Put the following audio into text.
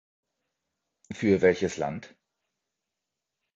Für welches Land?